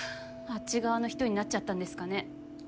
あっち側の人になっちゃったんですかね。